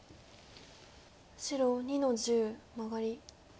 白２の十マガリ。